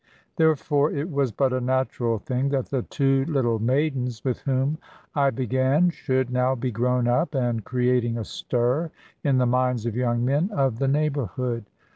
Therefore it was but a natural thing that the two little maidens with whom I began should now be grown up, and creating a stir in the minds of young men of the neighbourhood.